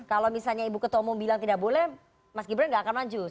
kalau misalnya ibu ketua umum bilang tidak boleh mas gibran nggak akan maju